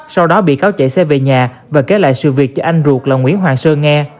sau đó bị cáo chạy xe về nhà và kể lại sự việc cho anh ruột là nguyễn hoàng sơn nghe